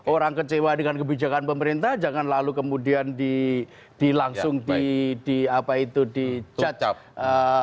orang kecewa dengan kebijakan pemerintah jangan lalu kemudian langsung di judge